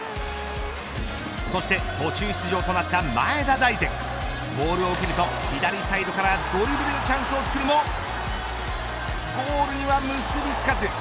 そして途中出場となった前田大然ボールを受けると左サイドからドリブルでチャンスをつくるもゴールには結びつかず。